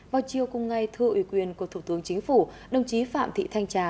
vào chiều cùng ngày thư ủy quyền của thủ tướng chính phủ đồng chí phạm thị thanh trà